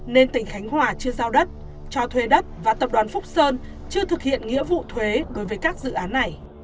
nên tỉnh khánh hòa chưa giao đất cho thuê đất và tập đoàn phúc sơn chưa thực hiện nghĩa vụ thuế đối với các dự án này